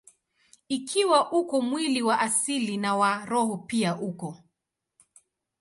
Ikiwa uko mwili wa asili, na wa roho pia uko.